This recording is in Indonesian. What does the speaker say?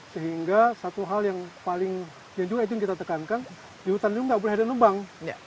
sehingga satu hal yang paling yang juga kita tekankan di hutan lindung nggak boleh ada nebang